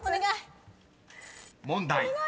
［問題］